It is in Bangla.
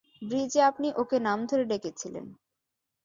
ব্রিজে আপনি ওকে নাম ধরে ডেকেছিলেন।